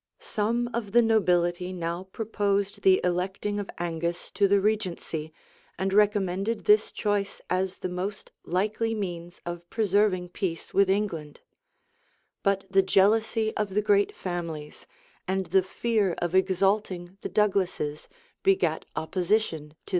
Some of the nobility now proposed the electing of Angus to the regency, and recommended this choice as the most likely means of preserving peace with England; but the jealousy of the great families, and the fear of exalting the Douglases, begat opposition to this measure.